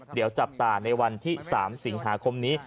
เดี๋ยวจับตาในวันที่๓สิงหาคมนี้